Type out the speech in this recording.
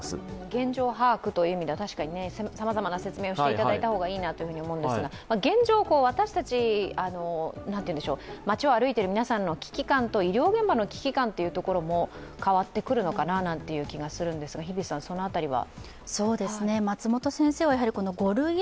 現状把握という意味ではさまざまな説明をしていただいた方がいいなというふうに思うんですが、現状、私たち、街を歩いている皆さんの危機感と、医療現場の危機感というのも変わってくるのかななんていう気がするんですが日比さん、その辺りは？